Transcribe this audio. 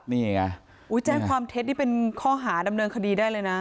นี่ไงแจ้งความเท็จนี่เป็นข้อหาดำเนินคดีได้เลยนะ